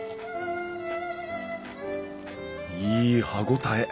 いい歯応え。